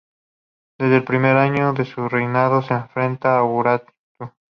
Desde el primer año de su reinado se enfrenta a Urartu.